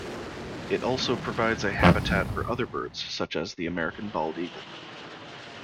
It also provides a habitat for other birds, such as the American bald eagle.